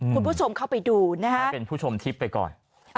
คุณผู้ชมเข้าไปดูนะฮะเป็นผู้ชมทิพย์ไปก่อน